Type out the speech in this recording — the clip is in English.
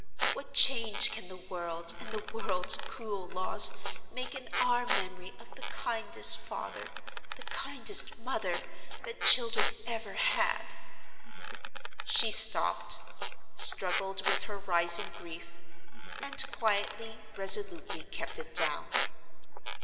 What change can the world, and the world's cruel laws make in our memory of the kindest father, the kindest mother, that children ever had!" She stopped: struggled with her rising grief; and quietly, resolutely, kept it down.